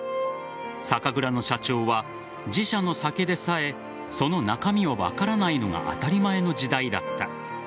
酒蔵の社長は自社の酒でさえその中身は分からないのが当たり前の時代だった。